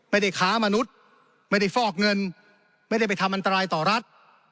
ไม่ได้ค้ามนุษย์ไม่ได้ฟอกเงินไม่ได้ไปทำอันตรายต่อรัฐ